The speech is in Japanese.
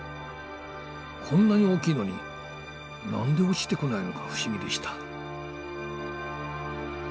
こんなに大きいのに何で落ちてこないのか不思議でした。